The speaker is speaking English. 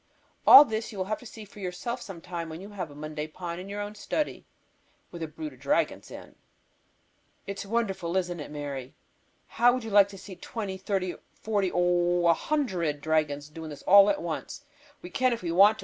All this you will have to see for yourself some time when you have a Monday Pond in your own study, with a brood of dragons in. "It is wonderful, isn't it, Mary? How would you like to see twenty, thirty, forty, oh, a hundred dragons doing this all at once. We can if we want to.